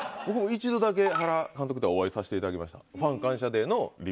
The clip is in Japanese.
僕も一度だけ原監督とはお会いさせていただきました。